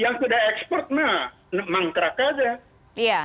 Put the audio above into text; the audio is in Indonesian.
yang sudah ekspor nah mengkerak saja